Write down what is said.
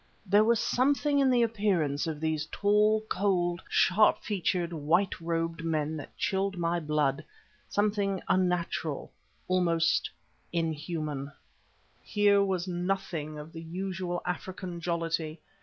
There was something in the appearance of these tall, cold, sharp featured, white robed men that chilled my blood, something unnatural and almost inhuman. Here was nothing of the usual African jollity.